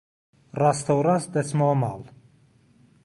ڕاستەوڕاست دەچمەوە ماڵ.